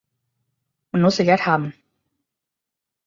มนุษยธรรม ?